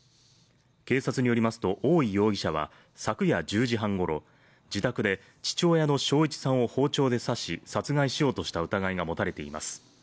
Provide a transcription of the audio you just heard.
警察によりますと大井容疑者は昨夜１０時半ごろ自宅で父親の松一さんを包丁で刺し殺害しようとした疑いが持たれています。